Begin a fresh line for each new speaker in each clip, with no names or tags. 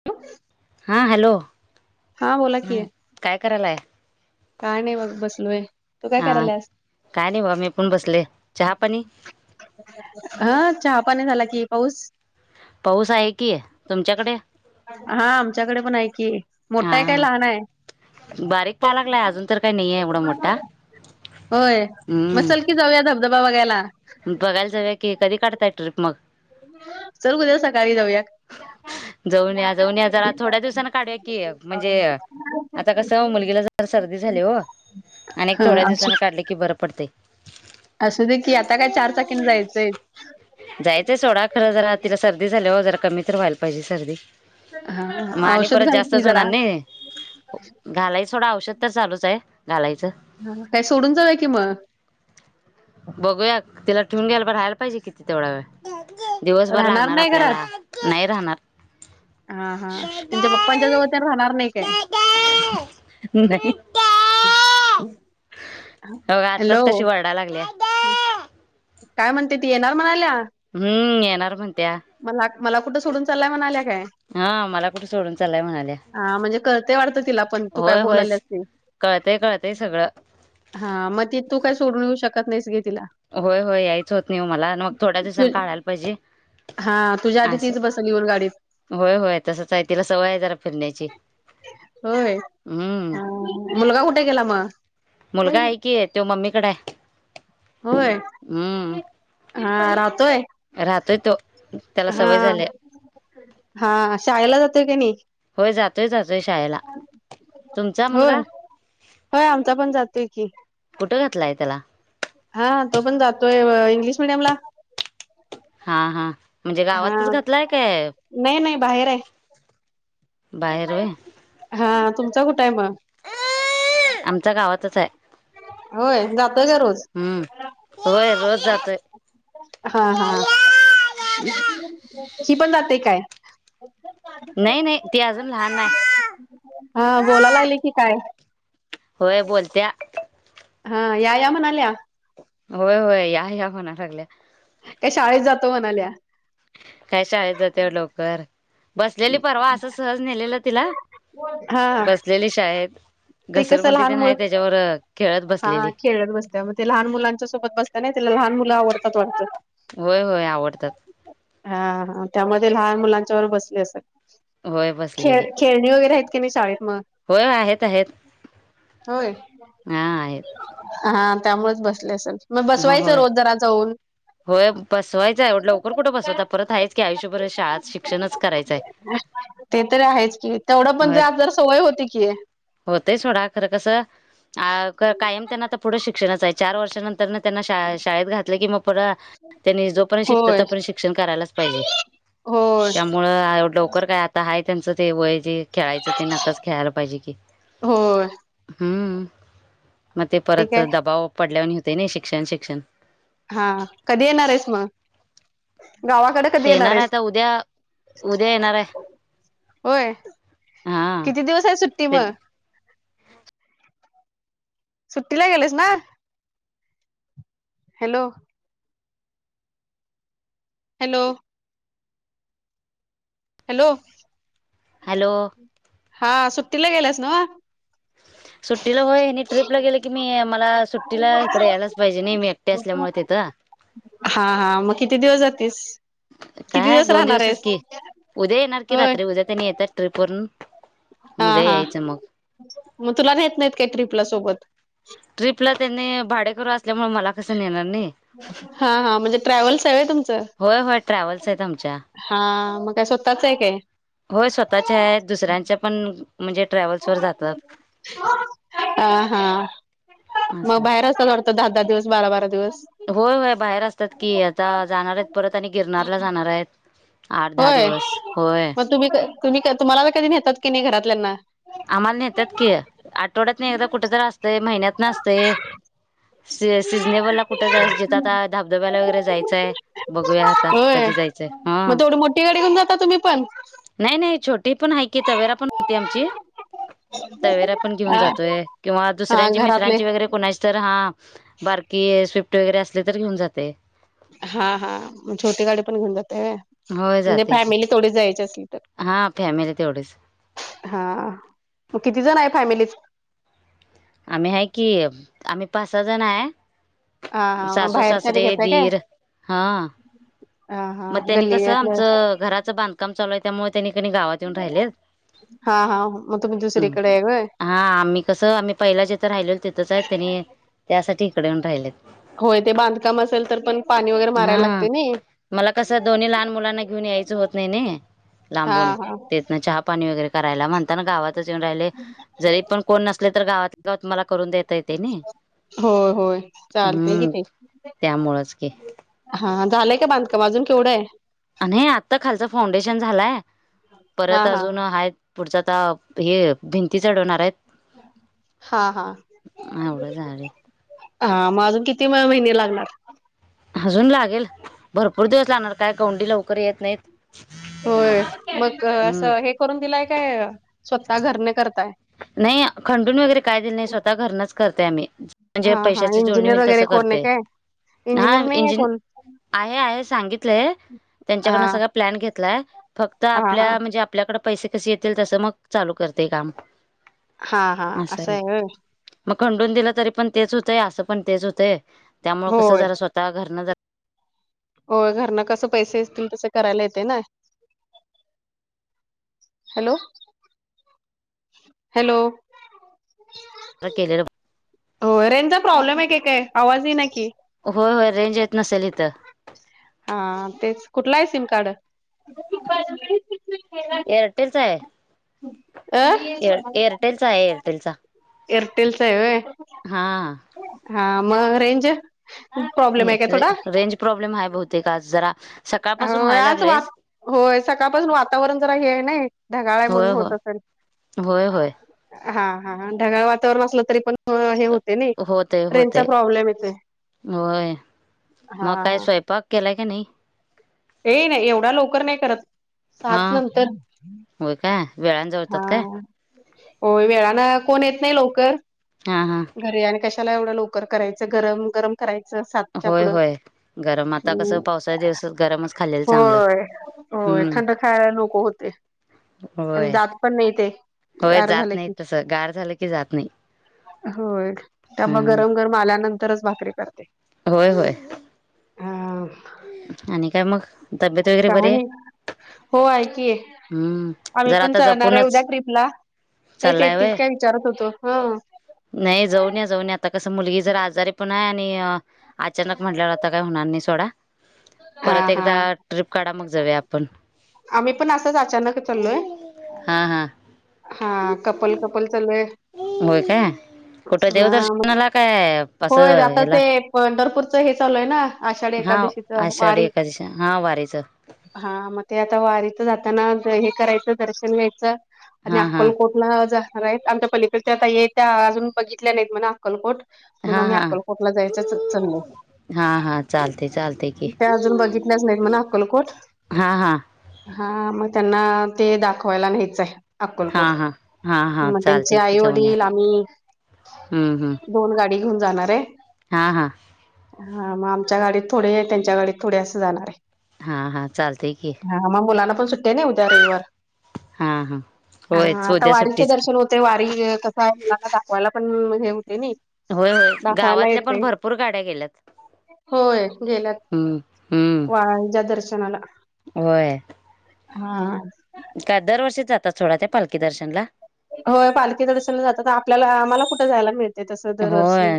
ह [inaudible]
हा हॅलो
बोला
ह
की
काय करायलाय?
काय नाही बघ बसलोय. तू काय
हां
करायलास?
काय नाही बाबा मी पण बसले चहा पाणी
हा चहा पाणी झाला की पाऊस?
पाऊस आहे की. तुमच्याकडे?
हा आमच्याकडे पण आहे कि मोठा आहे काय?
हां
लहान आहे.
बारीक पा लागलाय. अजून तर काही नाहीये एवढा मोठा.
होय मग
हम्म
चल जाऊया धबा बगायला.
बघायला जाऊया की कधी काढताय ट्रिप मग?
चल उद्या सकाळी जाऊया
जाऊन जाऊ जाऊ जरा थोड्या दिवसाना काढूया की म्हणजे आता कसं मुलगीला तर सर्दी झाली हो आणि
ह
थोड्या दिवसाांनी काढले, की बरं पडते.
असं दे की आता काय चार चाकीन जायचंय.
जायचंय सोडा खरं जरा तिला सर्दी झाली. हो जरा कमी तर व्हायला पाहिजे सर्दी मग
हा
आणि
औषध
परत
घाल की
जास्तच
जरा
होणार नाही. घालायच सोडा औषध तर चालूच आहे. घालायचं
हा काय सोडून जावूया की मग.
बघूया तिला ठेवून घ्याला पर राहायला पाहिजे. किती तेवढा वेळ दिवसभर
राहणार
लागणार
नाही घरात
आपल्याला नाही राहणार.
हा हा तिच्या पप्पांच्या जवळ त्यां राहणार नाही काय?
नाही. हो
हॅलो
आत्ताच कशी वरडा लागल्या
काय म्हणते ती येणार म्हणाल्या.
हम्म येनार म्हणत्या.
मला मला कुठं सोडून चालाय म्हणाल्या काय?
हा मला कुठे सोडून चाललाय म्हणाल्या.
हा म्हणजे करतेय वाटत. तिला पण तू काय
होय होय
बोलल्यास ते
कळतंय कळतंय सगळं
हा मग ति तू काय सोडून येऊ शकत नाहीस. कि तिला
होय होय याहीच होत नाही. मला मग थोड्या दिवसांनी काढायला पाहिजे.
हा तुझ्या आधी
असं
तीच बसल येऊन गाडीत
होय होय तसच आहे. तिला सवय आहे जरा फिरण्याची
होय
हम्म
मुलगा कुठे गेला मग?
मुलगा आहे की, तो मम्मीकड आहे.
होय
हम्म
हा राहतोय.
राहतोय तो त्याला
हा
सवय झाली
हा शाळेला जातोय का नाही?
होय जातोय जातोय. शाळेला तुमचा
होय
मुलगा?
होय आमचा पण जातोय की
कुठं घातलाय त्याला
हा तो पण जातोय. इंग्लिश मीडियम ला
हा हा म्हणजे
हा
गावातच घातलाय काय?
नाही नाही बाहेर आहे
बाहेर होय
हा तुमचा कुठ मग [unintelligible]
[inaudible] आमच्या गावातच हाय.
होय, जाता का रोज?
हम्म, होय रोज जातोय.
हा-हा, शी पण जाते काय?
नाही-नाही, ती अजून लहान हाय.
हं, बोलायला लागले की काय?
होय बोलत्या.
हं, या-या म्हणाल्या?
व्हय-व्हय, या, या म्हणाय लागल्या.
का शाळेत जातो म्हणाल्या?
काय शाळेत जाते वं लवकर, बसलेली परवा असं सहज नेलेलं तिला
हा
बसलेली शाळेत,
ते कसं
घसरगुंड्डी
लहान
पण
मुल
हाय त्याच्यावर खेळत
हा
बसलेली.
खेळत बसत्या मग ते लहान मुलांच्या सोबत बसता ना त्याला लहान मुलं आवडतात वाटत.
होय- होय, आवडतात.
हं, त्यामध्ये लहान मुलांच्या वर बसले असेल.
होय बसलेली
खेळ-खेळ खेळ वगैरे आहेत कि नाही शाळेत मग?
होय आहेत-आहेत.
होय,
आहेत
हा त्यामुळेच बसले असेल. मग
हो
बसवायचं
होय
रोज जरा जाऊन?
होय बसवायचं
[inaudible]
आहे लवकर कुठं बसवता परत आहेच की आयुष्यभर शाळात शिक्षणच करायचं
ते तर आहेच की तेवढं पण जात जर सवय होती की.
होतय सोडा खरं कसं अं कायम त्यांना आता पुढं शिक्षणच आहे. चार वर्षानंतर न त्यांना शाळा हे शाळेत घातलं की मग परत त्यांनी जो पर्यंत शिकतं,
होय
तो पर्यंत शिक्षण करायलाच पाहिजे.
होय
त्यामुळं लवकर काय आता हाय त्यांचं ते वय जे खेळायचं तेन आताच खेळायला पाहिजे कि.
होय
हम्म. मग ते
ठीक
परत
आहे
दबाव पडल्याने होतय नी शिक्षण-शिक्षण.
हा, कधी येणारेस मग गावाकडे? कधी
येणार आहे
आहेस
ते उद्या, उद्या येणार आहे.
होय,
हा
किती दिवस आहे सुट्टी
ते
मग? सुट्टीला गेलेस ना? हॅलो. हॅलो. हॅलो.
हॅलो.
हा सुट्टीला गेल्यास नं?
[inaudible] सुट्टीला होय अनी ट्रीपला गेलं की, मी मला सुट्टीला हीकड यायलाच पाहिजे नी मी एकटी असल्यामुळे तिथं. [inaudible]
हा-हा, मग किती दिवस जातेस? किती
काय
दिवस
दोन
राहणार
दिवसच
आहेस?
की उद्या येणार की
होय
रात्री उद्या ते नी येत्यात ट्रिपवरून. उद्या
हा-हा,
यायचं मग
मग तुला नेत नाहीत काय ट्रीपला सोबत?
ट्रीपला तेन्ही भा डेकरू असल्यामुळे मला कस नेणार नी.
हा हा म्हणजे ट्रॅव्हल्स आहे तुमचं
ट्रॅव्हल्स आहेत आमच्या.
हा, मग काय स्वतःच हाय काय?
होय स्वतःच्या आहेत. दुसऱ्यांच्या पण म्हणजे, ट्रॅव्हल्स वर जातात.
[unintelligible] हा हा. मग
असं
बाहेर असतात वाटतं दहा, दहा दिवस, बारा, बारा दिवस.
होय होय बाहेर असतात की. आता जाणार आहेत परत आणि गिरनारला जाणार आहेत. आठ दहा
होय
दिवस. होय.
मग तुम्ही तर, तुम्ही, तुम्हाला कधी नेतात की नाही घरातल्याना?
आम्हाला नेतात कि. आठवड्यातन एकदा कुठं तरी असतंय, महिन्यातन असतय. स सिजनेबला कुठं जाय, जिथं आता धबधब्याला वगैरे जायचंय. बघूया आता,
होय
कधी जायचंय? हा.
मग तेवढी मोठी गाडी घेऊन जातात तुम्ही पण-
नाही नाही छोटी पण आहे की, तवेरा पण होती आमची. तवेरा पण घेऊन जातोय. किंवा
हा
दुसऱ्यांची
घरातले
मित्रांची वगैरे कोणाची तर हा बारकी स्विफ्ट वगैरे असली तर घेऊन जातोय.
हा हा छोटी गाडी पण घेऊन जाताय व्हयं.
होय
म्हणजे
जाते की
फॅमिलीच तेवढी जायची असली तर.
हा फॅमिली तेवढीच
[inaudible] हा. मग किती जण आहेत फॅमिलीत?
आम्ही हाय कि, आम्ही पाच सहा जण हाय.
हा हा मग
सासू
बाहेरच्याने
सासरे,
घेताय काय
दीर हा.
हा हा
[inaudible] मग तेनी कसं
गल्लीतल्या
आमचं घराचं बांधकाम चालू आहे, त्यामुळे तेनी कणी गावात येऊन राहिलेत.
हा हा मग तुम्ही
[inaudible]
दुसरीकडे आहे होय
हा आम्ही कसं आम्ही- पहिला जिथं रायचो तिथंच हाय तेनी -
[inaudible] होय ते बांधकाम असेल, तर पण पाणी वगैरे मारायला
हा
लागतय नी.
मला कसं दोन्ही लहान मुलांना घेऊन यायचं होत नाही नी,
हा
लांबून
हा
ते इथन चहा- पाणी वगैरे करायला, म्हणता ना गावातच येऊन राहिले. जरी पण कोण नसले तर गावातल्या गावात मला करून देत- येतंय तेनी.
होय होय
[inaudible]
चालतय कि
हम्म
ते
त्यामुळं च की.
हा झालंय का बांधकाम अजून केवढं आहे?
नाही आत्ता खालचा फाउंडेशन झालाय,
हा
परत
हा
अजून हाय - पुढचं आता हे भिंती चढवणार आहेत.
[inaudible] हां हां.
एवढं झाले
[inaudible] हां मग अजून किती म महिने लागणार?
अजून लागेल, भरपूर दिवस लागणार. काय गवंडी लवकर येत नाहीत.
होय. मग
हम्म
असं हे करून दिलाय काय, स्वतः घरनं करताय?
नाही खंडून वगैरे काय दिलं नाही, स्वतः घरनंच करतोय आम्ही. म्हणजे
हा हा
पैशाची जुळणी
इंजिनियर
होईल
वगैरे
तसं
कोण आहे
करतय.
काय
हा
इंजिनियर नाही आहे
इंजिन.
कोण
आहे, आहे सांगितलंय
हा
त्यांच्याकडनं सगळं- प्लॅन घेतलाय. फक्त
हां,
आपल्या
हां.
म्हणजे आपल्याकडे पैसे कसे येतील, तसं मग चालू करते काम.
हां. हां. असं
असंय.
आहे होय.
मग खंडून दिलं तरी पण तेच होतंय, असं पण तेच होतंय. त्यामुळे कसं
होय.
जरा स्वतः घरनं जर
हो घरनं कसं पैसे असतील, तसं करायला येतंय ना. [inaudible] Hello [inaudible] hello. [inaudible]
[unintelligible]
हो रेंजचा प्रॉब्लेम आहे का काय? आवाज येईना की.
होय, होय. रेंज येत नसेल इथं.
हां तेच कुठला आहे सिमकार्ड? [inaudible]
एरटेलचा हाय,
अ?
एर, एरटेलचा हाय, एअरटेलचा.
एअरटेलचा हाय व्हय,
हा
हां मग रेंज? प्रॉब्लेम हाय काय थोडा?
रेंज प्रॉब्लेम हाय बहुतेक आज जरा. सकाळपासून
होय
व्हायला
आज
लागलंयच.
वाता होय, सकाळपासून वातावरण जरा हे आहे नही, ढगाळ आहे
होय
म्हणून होत
होय
असेल.
होय, होय.
हां, हां, हां ढगाळ वातावरण असलं तरी पण हं, हे होतंय नई,
होतय
रेंजचा
होतय
प्रॉब्लेम येतोय.
होय. मग काय
हां.
स्वयंपाक केलाय काय नाही?
ये नाही एवढ्या लवकर नाही करत,
हा
सातनंतर.
होय का?
हां, होय वेळानं कोण येत नाही लवकर.
हां हां.
घरी आणि कशाला एवढं लवकर करायचं, गरम- गरम करायचं सातच्या
होय
पुढं,
होय. गरम आता कसं
हम्म
पावसाळ्या दिवस गरमच खाल्लेलं चांगलं
होय. होय
हम्म
थंड खायला नको होतंय. आणि
होय.
जात पण नाही ते,
होय
गार
जात
झालं
नाही
की.
तसं गार झालं की जात नाही.
होय, त्यामुळे
हम्म
गरम -गरम आल्यानंतरच भाकरी करते.
होय, होय.
हा
आणि काय मग, तब्येत वगैरे
काय
बरी हाय?
नाही हो आहे की, आम्ही
जरा
पण
आता
जाणार आहे उद्या
जपूनच
ट्रीपला. तेच
चाललाय
येतीस
वय
काय विचारत होतो? हं.
नाही जाऊन या, जाऊन या आता कसं मुलगी जरा आजारी पण हाय आणि अचानक म्हटल्यावर आता काय हुणार नाही सोडा.
हा
परत
हा
एकदा ट्रिप काढा मग जाऊया आपण.
आम्ही पण असंच अचानक चाललोय.
हां, हां.
हां कपल, कपल चाललोय.
होय काय? कुठं
हां मग,
देवदर्शनाला काय
होय
असं
आता
ह्याला
ते पंढरपूरचं हे चालू हाय ना, आषाढी
हा
एकादशी
आषाढी एकादशी, हां वारीचं.
हा, मग ते आता वारीच जाताना हे करायचं दर्शन करायचं आणि
हा हा
अक्कलकोटला जाणार आहेत. आमच्या पलीकडच्या ताई हाईत त्या अजून बघितल्या नाहीत म्हणा. अक्कलकोट, म्हणून
हा
आम्ही
हा
अक्कलकोटला जायच चाललय.
हा, हा चालते, चालते. की
त्या अजून बघितल्याच नाहीत म्हण अक्कलकोट.
हा हा
हा, मग त्यांना ते दाखवायला न्हायच हाय.
हा
अक्कलकोट,
हा हा हा
मग त्यांचे
चालते की
आई
जाऊन या
-वडील आम्ही
हम्म हम्म
दोन गाडी घेऊन जाणार हाय.
हा, हा.
हा मग, आमच्या गाडीत थोडे, त्यांच्या गाडीत थोडे असं जाणार हाय.
हा, हा चालतय की.
हा मग मुलाना पण सुट्टे नाही उद्या रविवार
हा हा होय
ह आता
उद्या
वारीचे
सुट्टीच की
दर्शन होत ते वारी कसं आहे मुलाला दाखवायला पण हे होते नाही
होय होय
दाखवायला
गावातल्या पण
येतेय
भरपूर गाड्या गेल्यात
होय गेल्यात
हम्म हम्म
वाळांच्या दर्शनाला हा
काय दरवर्षी जातात सोळा त्या पालखी दर्शन ला
हो पालखीचा दर्शन जातात आपल्याला मला कुठे जायला मिळत ते तस दरवर्षी
होय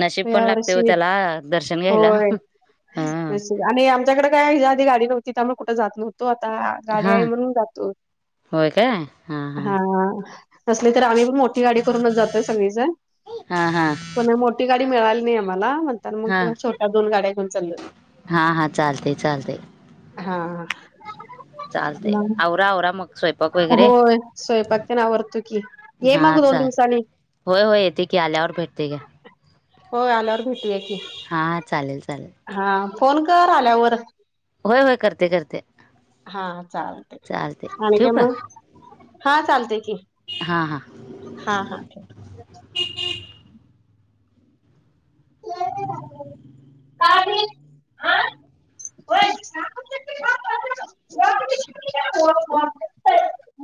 नशीब
या
पण लागते हो
वर्षी
त्याला दर्शन घ्यायला
होय
हा
आणि आमच्याकडे काय या आधी गाडी नव्हती त्यामुळे कुठं जात नव्हतो आता गाडी
हा
आहे म्हणून जातो हा असले तर आम्ही पण मोठी गाडी करूनच जातोय सगळीच जन
हा हा
पण मोठी गाडी मिळाली नाही आम्हाला तर मग
हा
छोट्या दोन गाड्या घेऊन चाल्लोत
हा हा चालते चालते
हा
चालतय आवरा आवर मग स्वयंपाक वगैरे
होय स्वयंपाक पन आवरतो की ये
हा
मग दोन
चाल
दिवसानी
होय होय येते की आल्यावर भेटते का
होय आल्यावर भेटूया की
हा चालेल चालेल
हा फोन कर आल्यावर
होय होय करते करते
हा चालतय
चालते
आणि
ठेवू
काय मग हा चालते की
हा हा
हा हा ठेवत
ह
का आ होय
रीकाम आहे